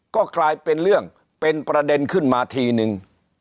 ก็กลายเป็นเรื่องเป็นประเด็นขึ้นมาทีนึง